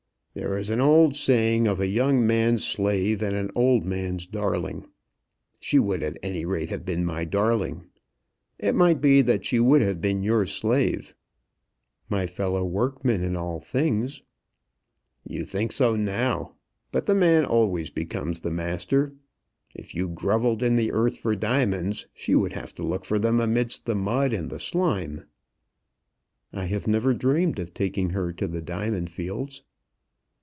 "There is an old saying of a young man's slave and an old man's darling. She would at any rate have been my darling. It might be that she would have been your slave." "My fellow workman in all things." "You think so now; but the man always becomes the master. If you grovelled in the earth for diamonds, she would have to look for them amidst the mud and slime." "I have never dreamed of taking her to the diamond fields."